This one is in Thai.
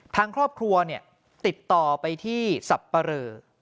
ทางครอบครัวติดต่อไปที่สับปะเรอ